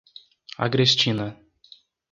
Agrestina